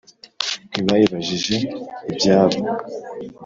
ntibayibajije ibyabo